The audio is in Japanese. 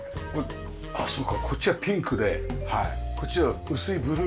そうかこっちはピンクでこっちは薄いブルーの。